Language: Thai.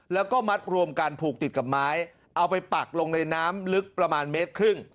แล้วก็มัดรวมกันผูกติดกับไม้เอาไปปักลงในน้ำลึกประมาณเมตรครึ่ง